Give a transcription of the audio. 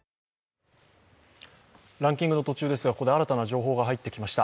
ランキングの途中ですが、ここで新たな情報が入ってきました。